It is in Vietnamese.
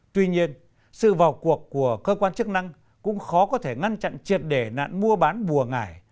tuy nhiên sự vào cuộc của cơ quan chức năng cũng khó có thể ngăn chặn triệt để nạn mua bán bùa ngải